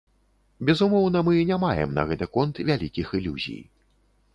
Безумоўна, мы не маем на гэты конт вялікіх ілюзій.